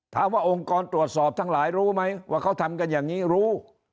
องค์กรตรวจสอบทั้งหลายรู้ไหมว่าเขาทำกันอย่างนี้รู้